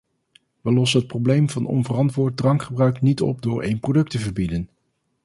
We lossen het probleem van onverantwoord drankgebruik niet op door één product te verbieden.